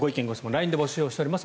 ＬＩＮＥで募集しています。